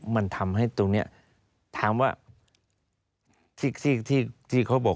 มันทำให้ตรงนี้ถามว่าที่เขาบอก